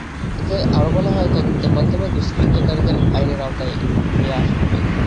এতে আরও বলা হয়, তদন্তের মাধ্যমে দুষ্কৃতকারীদের আইনের আওতায় নিয়ে আসা হবে।